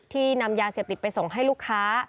นำยาเสพติดไปส่งให้ลูกค้า